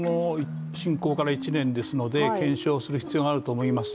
侵攻から１年ですので、検証する必要があると思います。